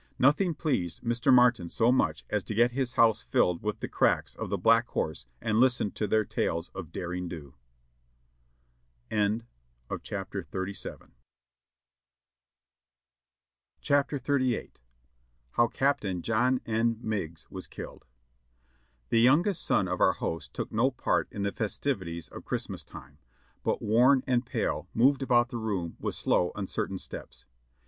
Nothing pleased Mr. Martin so much as to get his house filled with the "Cracks" of the Black Horse and listen to their tales of "Derring Do." CHAPTER XXXVIII. HOW CAPTAIN JOHN N. MEIGS WAS KILLED. The youngest son of our host took no part in the festivities of Christmastime, but worn and pale moved about the room with slow, uncertain steps.